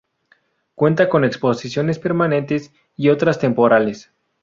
Cuenta con exposiciones permanentes y otras temporales.